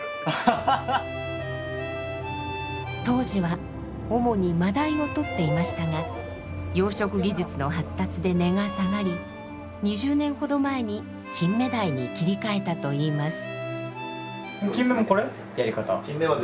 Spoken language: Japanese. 当時は主にマダイをとっていましたが養殖技術の発達で値が下がり２０年ほど前にキンメダイに切り替えたといいます。